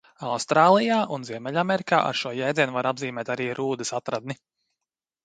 Austrālijā un Ziemeļamerikā ar šo jēdzienu var apzīmēt arī rūdas atradni.